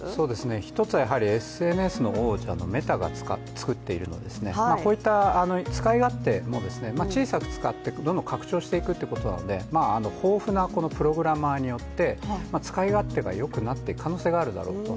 一つはＳＮＳの王者のメタが作っているのでこういった使い勝手も、小さく使ってどんどん拡張していくということなので豊富なプログラマーによって使い勝手がよくなっていく可能性があるだろうと。